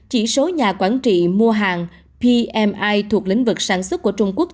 chỉ số nhà quản trị mua hàng pmi thuộc lĩnh vực sản xuất của trung quốc